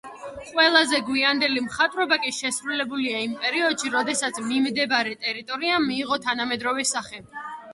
ყველაზე გვიანდელი მხატვრობა კი შესრულებულია იმ პერიოდში, როდესაც მიმდებარე ტერიტორიამ მიიღო თანამედროვე სახე.